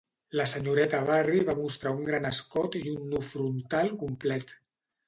La senyoreta Barrey va mostrar un gran escot i un nu frontal complet.